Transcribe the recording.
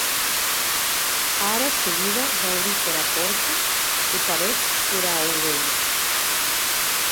Ara seguida dauric era pòrta e parèc era aurelha.